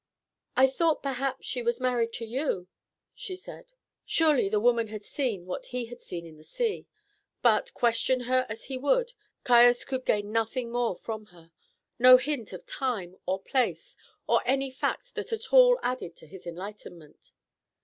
"I thought perhaps she was married to you," she said. Surely the woman had seen what he had seen in the sea; but, question her as he would, Caius could gain nothing more from her no hint of time or place, or any fact that at all added to his enlightenment.